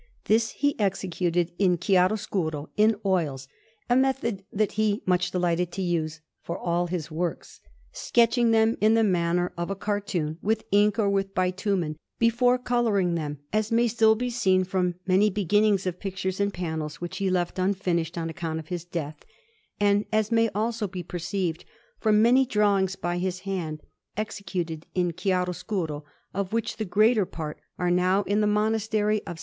This he executed in chiaroscuro, in oils, a method that he much delighted to use for all his works, sketching them in the manner of a cartoon, with ink or with bitumen, before colouring them; as may still be seen from many beginnings of pictures and panels, which he left unfinished on account of his death, and as may also be perceived from many drawings by his hand, executed in chiaroscuro, of which the greater part are now in the Monastery of S.